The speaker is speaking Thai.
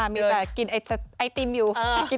มีแต่กินไอติมอยู่